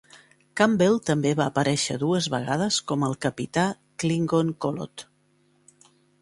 Campbell també va aparèixer dues vegades com el capità Klingon Koloth.